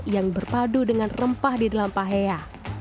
yang berpadu dengan rempah di dalam pahea